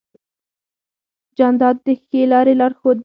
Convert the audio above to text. جانداد د ښې لارې لارښود دی.